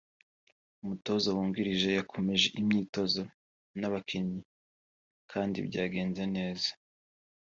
umutoza wungirije yakomeje imyitozo n’abakinnyi kandi byagenze neza